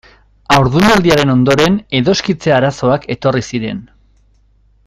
Haurdunaldiaren ondoren edoskitze arazoak etorri ziren.